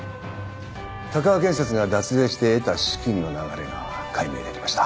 鷹和建設が脱税して得た資金の流れが解明できました。